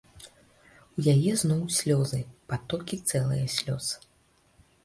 У яе зноў слёзы, патокі цэлыя слёз.